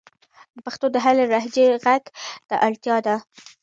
د پښتو د هرې لهجې ږغ ته اړتیا ده.